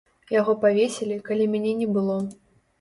Яго павесілі, калі мяне не было.